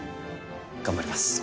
頑張ります。